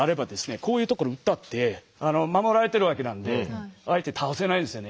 こういうところ打ったって守られてるわけなんで相手倒せないんですよね。